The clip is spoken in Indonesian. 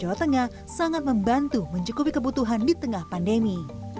jawa tengah sangat membantu mencukupi kebutuhan di tengah pandemi